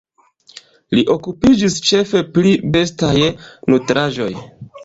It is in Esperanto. Li okupiĝis ĉefe pri bestaj nutraĵoj.